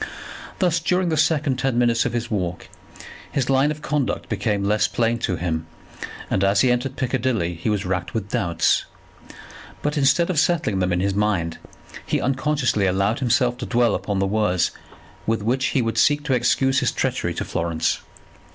Thus during the second ten minutes of his walk, his line of conduct became less plain to him, and as he entered Piccadilly he was racked with doubts. But instead of settling them in his mind he unconsciously allowed himself to dwell upon the words with which he would seek to excuse his treachery to Florence.